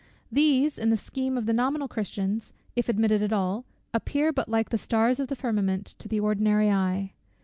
These, in the scheme of nominal Christians, if admitted at all, appear but like the stars of the firmament to the ordinary eye.